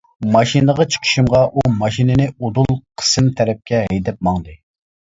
ماشىنىغا چىقىشىمغا ئۇ ماشىنىنى ئۇدۇل قىسىم تەرەپكە ھەيدەپ ماڭدى.